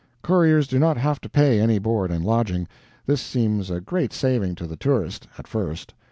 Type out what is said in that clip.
Couriers do not have to pay any board and lodging. This seems a great saving to the tourist at first.